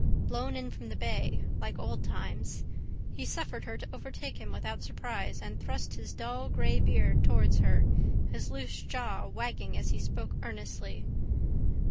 Blown in from the bay. Like old times. He suffered her to overtake him without surprise and thrust his dull grey beard towards her, his loose jaw wagging as he spoke earnestly.